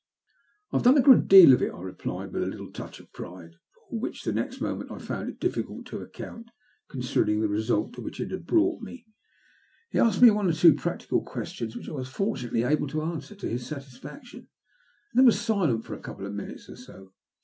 '' I have done a good deal of it," I replied, with a little touch of pride, for which next moment I found it difficult to account, considering the result to which it had brought me. He asked one or two practical questions, which I was fortunately able to answer to his satisfaction, and then was silent for a couple of minutes or so.